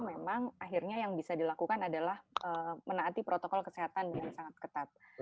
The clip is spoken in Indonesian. memang akhirnya yang bisa dilakukan adalah menaati protokol kesehatan yang sangat ketat